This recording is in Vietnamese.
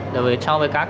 đối với cho với các cái